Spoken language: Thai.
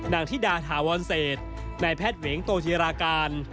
นธิดาธาวอนเศษนแพทย์เหวงโตธิรากาล